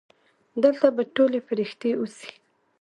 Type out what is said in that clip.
دلته به ټولې پرښتې اوسي.